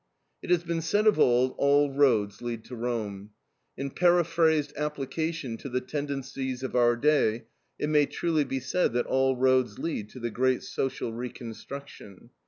It has been said of old, all roads lead to Rome. In paraphrased application to the tendencies of our day, it may truly be said that all roads lead to the great social reconstruction.